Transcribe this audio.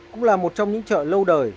cũng là một trong những chợ lâu đời